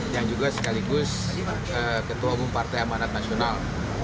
yang juga sekaligus ketua umum partai amanat nasional